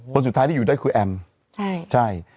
คนสุดท้ายที่อยู่ได้คือแอมใช่